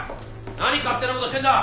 何勝手なことしてんだ。